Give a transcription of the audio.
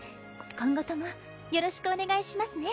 今後ともよろしくお願いしますね